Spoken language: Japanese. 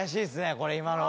これ今のは。